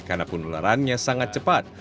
karena penularannya sangat cepat